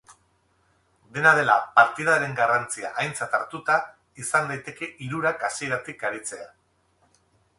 Dena dela, partidaren garrantzia aintzat hartuta, izan daiteke hirurak hasieratik aritzea.